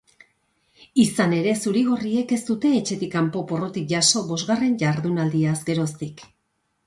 Izan ere, zuri-gorriek ez dute etxetik kanpo porrotik jaso bosgarren jardunaldiaz geroztik.